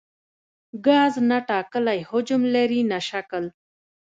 ګاز نه ټاکلی حجم لري نه شکل.